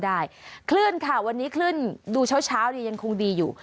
คลื่นค่ะวันนี้คลื่นดูเช้าเช้ายังคงดีอยู่